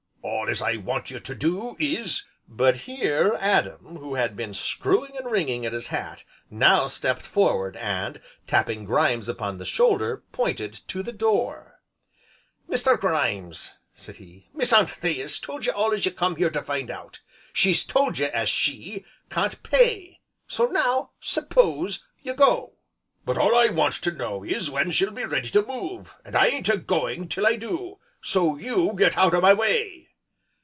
All as I want you to do is " But here Adam, who had been screwing and wringing at his hat, now stepped forward and, tapping Grimes upon the shoulder, pointed to the door: "Mister Grimes," said he, "Miss Anthea's told ye all as you come here to find out, she's told ye as she can't pay, so now, s'pose you go." "But all I want to know is when she'll be ready to move, and I ain't a going till I do, so you get out o' my way!"